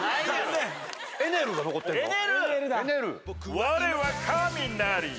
我は神なり。